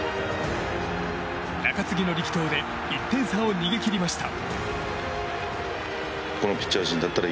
中継ぎの力投で１点差を逃げ切りました。